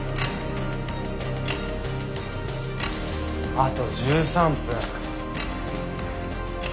あと１３分。